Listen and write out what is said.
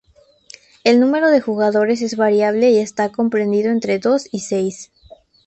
El número de jugadores es variable y está comprendido entre dos y seis.